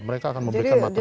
mereka akan memberikan materi